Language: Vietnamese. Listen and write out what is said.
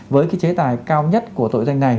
với cái chế tài cao nhất của tội danh này